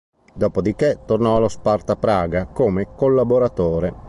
Dopodiché tornò allo Sparta Praga come collaboratore.